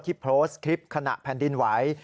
โพสต์คลิปขณะแผ่นดินไหว